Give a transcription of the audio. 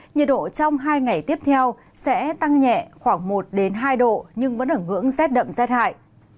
nhiệt độ trong hai ngày tiếp theo sẽ tăng nhẹ khoảng một hai độ nhưng vẫn ở ngưỡng rét đậm rét hại